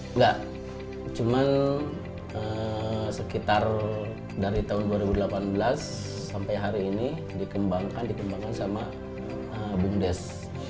enggak cuman sekitar dari tahun dua ribu delapan belas sampai hari ini dikembangkan dikembangkan sama bumdes